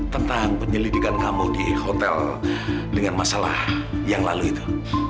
tentang penyelidikan kamu di hotel dengan masalah yang lalu itu